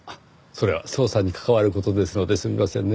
それは捜査に関わる事ですのですみませんね。